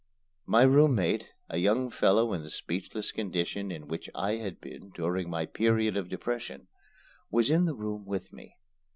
My roommate, a young fellow in the speechless condition in which I had been during my period of depression, was in the room with me.